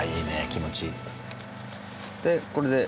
気持ちいい。